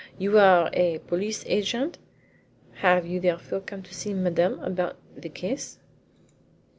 "You are a police agent? Have you therefore come to see Madame about the case?"